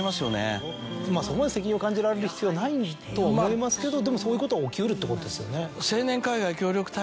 そこまで責任を感じられる必要はないとは思いますけどでもそういうことが起き得るってことですよね。